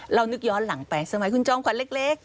เรานึกย้อนหลังไปสมัยคุณจอมขวัญเล็ก